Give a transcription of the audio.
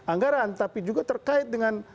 anggaran tapi juga terkait dengan